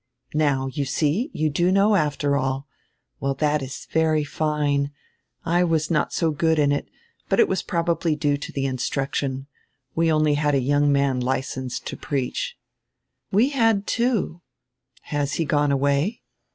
"Now, you see, you do know after all. Well, diat is very fine. I was not so good in it, but it was probably due to die instruction. We had only a young man licensed to preach." "We had, too." "Has he gone away?"